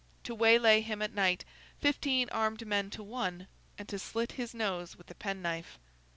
To waylay him at night, fifteen armed men to one, and to slit his nose with a penknife.